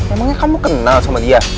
emangnya kamu kenal sama dia